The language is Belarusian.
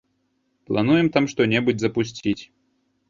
Плануем там што-небудзь запусціць.